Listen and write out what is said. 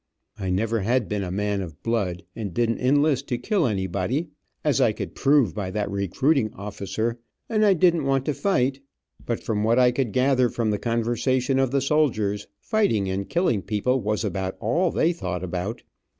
I never had been a man of blood, and didn't enlist to kill anybody, as I could prove by that recruiting officer, and I didn t want to fight, but from what I could gather from the conversation of the soldiers, fighting and killing people was about all they thought about.